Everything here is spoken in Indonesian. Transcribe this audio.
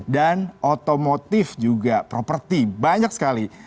dan otomotif juga properti banyak sekali